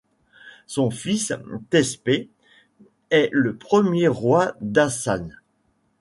Son fils Teispès est le premier roi d'Ashan.